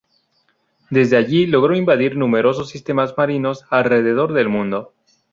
Desde allí logró invadir numerosos sistemas marinos alrededor del mundo.